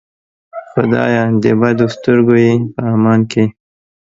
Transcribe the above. خدایه د بدو سترګو یې په امان کې.